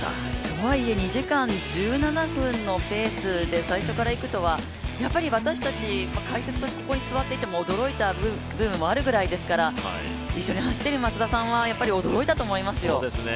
とはいえ２時間１７分のペースで最初から行くとはやっぱり私たち、解説としてここに座っていても驚いた部分もあるぐらいですから一緒に走ってる松田さんはやっぱり、驚いたと思いますよ。